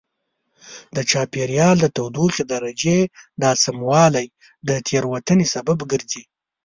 د چاپېریال د تودوخې درجې ناسموالی د تېروتنې سبب ګرځي.